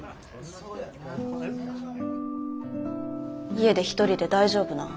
家で一人で大丈夫なん？